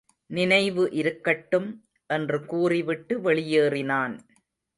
நினைவு இருக்கட்டும். என்று கூறிவிட்டு வெளியேறினான்.